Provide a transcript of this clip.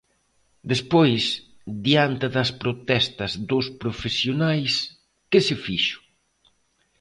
Despois, diante das protestas dos profesionais, ¿que se fixo?